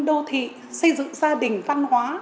xây dựng đô thị xây dựng gia đình văn hóa